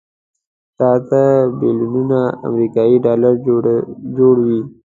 دا اته بيلیونه امریکایي ډالره جوړوي.